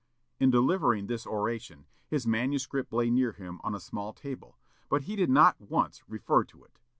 In delivering this oration, his manuscript lay near him on a small table, but he did not once refer to it.